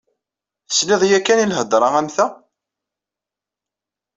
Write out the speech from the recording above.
Tesliḍ yakan i lhedra am ta?